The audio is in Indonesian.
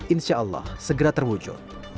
insya allah segera terwujud